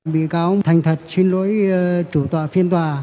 bị cáo thành thật xin lỗi chủ tọa phiên tòa